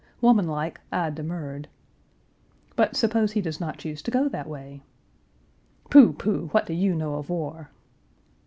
Womanlike, I demurred. 'But, suppose he does not choose to go that way?' 'Pooh, pooh! what do you know of war?'